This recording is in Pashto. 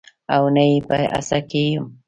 او نه یې په هڅه کې یم